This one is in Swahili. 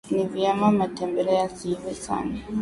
ni vyema matembele yasiive sana